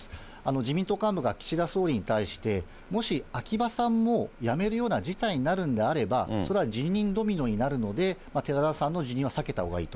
自民党幹部が岸田総理に対して、もし秋葉さんも辞めるような事態になるんであれば、それは辞任ドミノになるので、寺田さんの辞任は避けたほうがいいと。